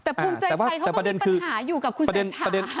แต่ภูมิใจไทยเขาก็มีปัญหาอยู่กับคุณสัตว์ธรรม